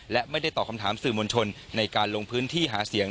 และไม่ได้ตอบคำถามสื่อมวลชนในการลงพื้นที่หาเสียง